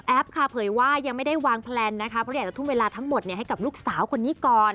ค่ะเผยว่ายังไม่ได้วางแพลนนะคะเพราะอยากจะทุ่มเวลาทั้งหมดให้กับลูกสาวคนนี้ก่อน